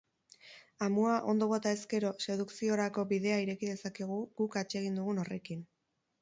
Amua ondo bota ezkero, sedukziorako bidea ireki dezakegu guk atsegin dugun horrekin.